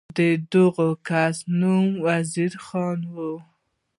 د دغه کس نوم وزیر خان و.